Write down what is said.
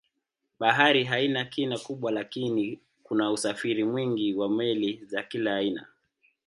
Bahari haina kina kubwa lakini kuna usafiri mwingi wa meli za kila aina.